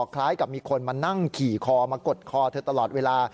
คล้ายกับมีคนมานั่งขี่คอมากดคอเธอตลอดเวลา